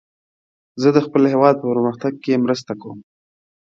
زه د خپل هیواد په پرمختګ کې مرسته کوم.